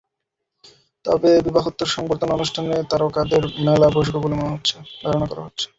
তবে বিবাহোত্তর সংবর্ধনা অনুষ্ঠানে তারকাদের মেলা বসবে বলে ধারণা করা হচ্ছে।